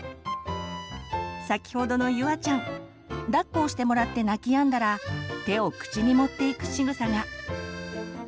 先ほどのゆあちゃんだっこをしてもらって泣きやんだら手を口に持っていくしぐさが。